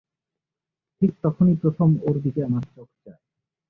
ঠিক তখনই প্রথম ওর দিকে আমার চোখ যায়।